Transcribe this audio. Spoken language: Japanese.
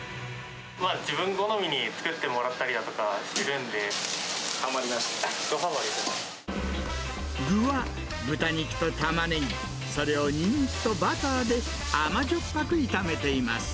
自分好みに作ってもらったりだとかしてるんで、はまりました、具は豚肉とタマネギ、それをニンニクとバターで甘じょっぱく炒めています。